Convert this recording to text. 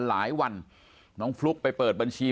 ปากกับภาคภูมิ